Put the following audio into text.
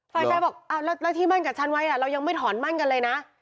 ฝ่ายชายบอกแล้วที่มั่นกับฉันไว้เรายังไม่ถอนมั่นกันเลยนะ